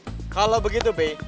b kalau begitu b